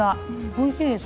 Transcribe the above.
おいしいです。